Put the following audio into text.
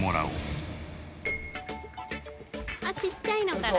あっちっちゃいのから。